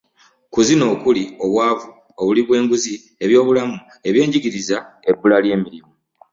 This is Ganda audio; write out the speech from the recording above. Kuzino okuli; obwavu, obuli bw'enguzi, eby'obulamu, eby'enjigiriza, ebbula ly'emirimu